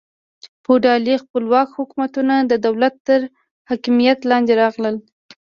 فیوډالي خپلواک حکومتونه د دولت تر حاکمیت لاندې راغلل.